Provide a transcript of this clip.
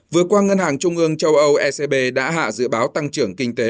vừa qua ngân hàng trung ương châu âu ecb đã hạ dự báo tăng trưởng kinh tế